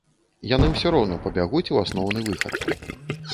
Яны ўсё роўна пабягуць у асноўны выхад.